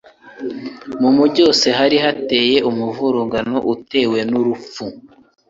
mu mugi wose hari hateye umuvurungano utewe n urupfu